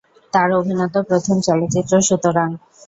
তার অভিনীত প্রথম চলচ্চিত্র "সুতরাং"।